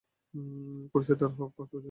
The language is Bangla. খোরশেদ আরা হক কক্সবাজারে জন্মগ্রহণ করেন।